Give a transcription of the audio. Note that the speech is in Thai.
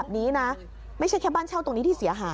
๓๐บาท